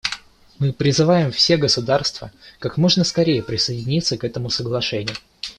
Мы призываем все государства как можно скорее присоединиться к этому Соглашению.